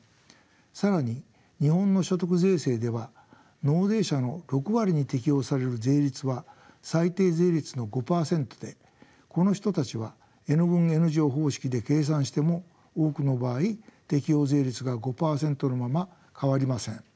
更に日本の所得税制では納税者の６割に適用される税率は最低税率の５％でこの人たちはＮ分Ｎ乗方式で計算しても多くの場合適用税率が５％のまま変わりません。